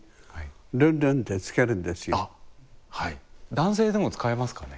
男性でも使えますかね。